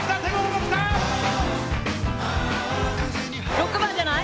６番じゃない？